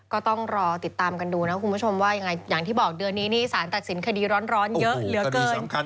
ก็ต้องรอติดตามกันดูนะคุณผู้ชมว่าอย่างที่บอกเดือนนี้นี่สารตัดสินคดีร้อนเยอะเหลือเกิน